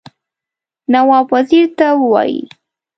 نواب وزیر ته ووايي.